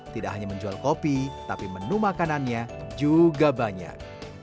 tidak hanya menjual kopi tapi menu makanannya juga banyak